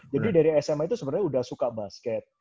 jadi dari sma itu sebenarnya sudah suka basket